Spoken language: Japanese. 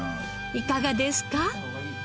いかがですか？